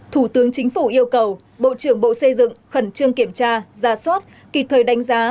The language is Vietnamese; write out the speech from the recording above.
thủ tướng chính phủ yêu cầu bộ trưởng bộ xây dựng khẩn trương kiểm tra ra soát kịp thời đánh giá